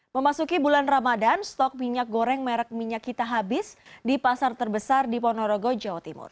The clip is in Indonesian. memasuki bulan ramadan stok minyak goreng merek minyak kita habis di pasar terbesar di ponorogo jawa timur